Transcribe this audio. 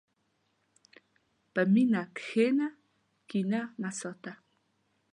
په مینه کښېنه، کینه مه ساته.